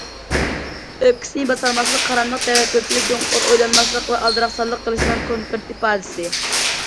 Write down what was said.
ئۆپكىسىنى باسالماسلىق— قاراملىق، تەۋەككۈلچىلىك، چوڭقۇر ئويلانماسلىق ۋە ئالدىراقسانلىق قىلىشنىڭ كونكرېت ئىپادىسى.